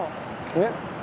えっ！